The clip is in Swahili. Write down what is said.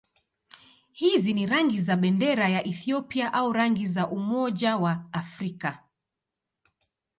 Hizi ni rangi za bendera ya Ethiopia au rangi za Umoja wa Afrika.